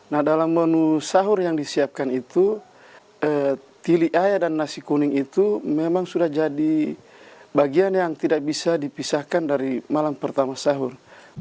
nah dalam menu sahur yang disiapkan itu tili ayam dan nasi kuning itu memang sudah jadi bagian yang tidak bisa dipisahkan dari malam pertama sahur